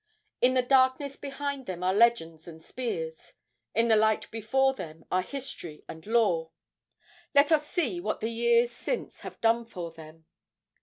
In the darkness behind them are legends and spears; in the light before them are history and law. Let us see what the years since have done for them.